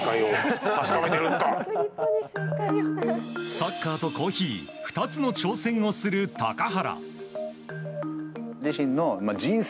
サッカーとコーヒー２つの挑戦をする高原。